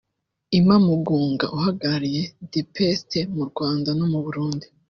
Imma Mugunga uhagarariye The Paste mu Rwanda no mu Burundi